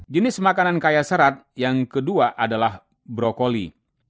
jenis makanan kaya serat yang kedua adalah brokoli